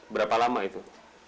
berapa lama itu